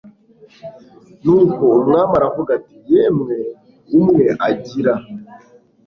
nuko umwami aravuga ati yemwe umwe agira